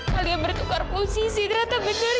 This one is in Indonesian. kalian bertukar posisi